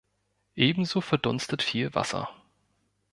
Ebenso verdunstet viel Wasser.